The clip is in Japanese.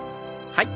はい。